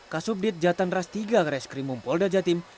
kasubdit jatan ras tiga reskrim mumpolda jatim